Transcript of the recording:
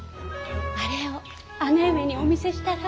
あれを姉上にお見せしたら？